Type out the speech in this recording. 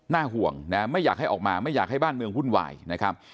ห่วงนะไม่อยากให้ออกมาไม่อยากให้บ้านเมืองวุ่นวายนะครับ